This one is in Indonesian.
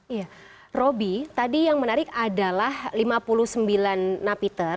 iya roby tadi yang menarik adalah lima puluh sembilan napiter